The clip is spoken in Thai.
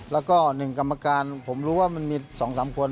แล้วก็๑กรรมการผมรู้ว่ามันมี๒๓คน